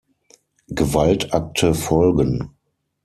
Gewaltakte folgen.